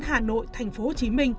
hà nội tp hcm